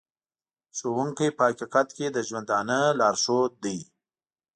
ښوونکی په حقیقت کې د ژوندانه لارښود دی.